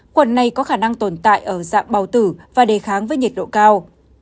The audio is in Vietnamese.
khuẩn này có khả năng tồn tại ở dạng bào tử và đề kháng với nhiệt độ cao